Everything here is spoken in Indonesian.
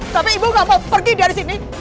tapi ibu nggak mau pergi dari sini